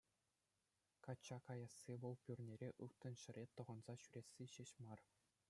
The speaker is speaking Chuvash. Качча каясси вӑл пӳрнере ылтӑн ҫӗрӗ тӑхӑнса ҫӳресси ҫеҫ мар.